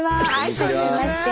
初めまして。